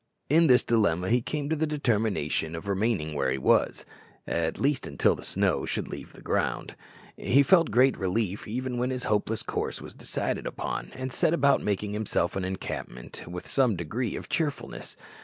In this dilemma he came to the determination of remaining where he was, at least until the snow should leave the ground. He felt great relief even when this hopeless course was decided upon, and set about making himself an encampment with some degree of cheerfulness.